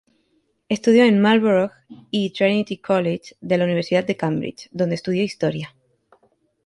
Estudió en Marlborough y Trinity College, de la Universidad de Cambridge, donde estudió historia.